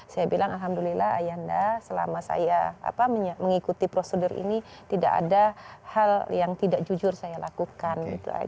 saya bilang alhamdulillah ayah anda selama saya mengikuti prosedur ini tidak ada hal yang tidak jujur saya lakukan gitu